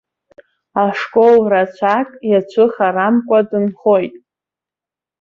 Ашкол рацәак иацәыхарамкәа дынхоит.